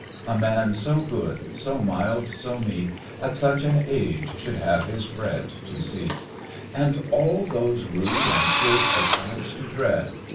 a man so good, so mild, so meek, At such an age, should have his bread to seek; And all those rude and fierce attacks to dread.